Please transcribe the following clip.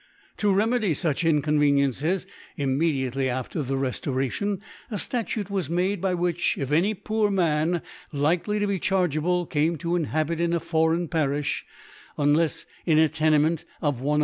'^ To pemedy fuch InconvenienGies, knme diately after the R^ofarion *, a Statute wa» made, by which if any pooir Man, fikely to be chargeable, came to inhabit ina foreign Pari(h, unlefs in a Tenement of lo